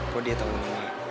kok dia tau gak